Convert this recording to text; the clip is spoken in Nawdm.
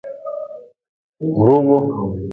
Ruugu.